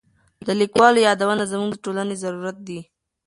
د لیکوالو یادونه زموږ د ټولنې ضرورت دی.